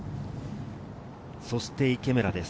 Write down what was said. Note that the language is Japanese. そして池村です。